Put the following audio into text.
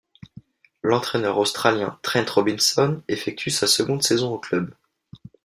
L'entraîneur australien Trent Robinson effectue sa seconde saison au club.